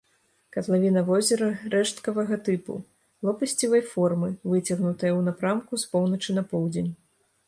Катлавіна возера рэшткавага тыпу, лопасцевай формы, выцягнутая ў напрамку з поўначы на поўдзень.